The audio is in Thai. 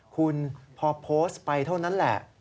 คุณพอโพสต์ไปเท่านั้นแหละ